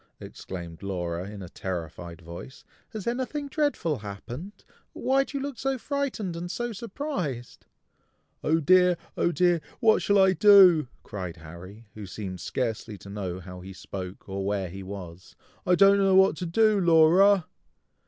exclaimed Laura in a terrified voice. "Has anything dreadful happened? Why do you look so frightened and so surprised?" "Oh dear! oh dear! what shall I do?" cried Harry, who seemed scarcely to know how he spoke, or where he was. "I don't know what to do, Laura!"